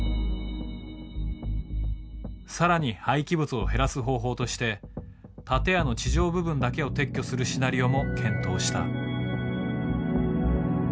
更に廃棄物を減らす方法として建屋の地上部分だけを撤去するシナリオも検討した。